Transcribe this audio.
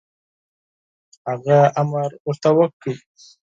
هغه امر ورته وکړ.